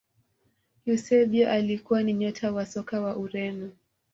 eusebio alikuwa ni nyota wa soka wa ureno